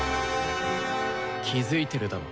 気付いてるだろ。